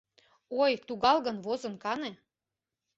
Ой, туалгын возын кане